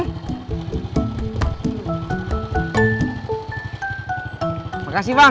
terima kasih bang